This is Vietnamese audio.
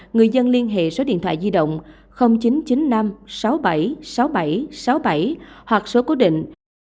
người dân liên hệ số điện thoại di động chín trăm chín mươi năm sáu mươi bảy sáu mươi bảy sáu mươi bảy hoặc số cố định